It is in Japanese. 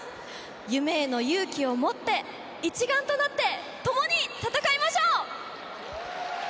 夢への勇気を持って一丸となって共に戦いましょう！